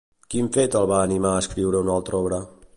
Quin fet el va animar a escriure una altra obra?